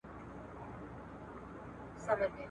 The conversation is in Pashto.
ترنګ به سو، سارنګ به سو، پیاله به سو، مینا به سو ..